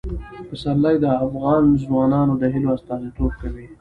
پسرلی د افغان ځوانانو د هیلو استازیتوب کوي.